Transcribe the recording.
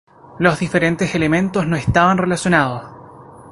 Los diferentes elementos no estaban relacionados.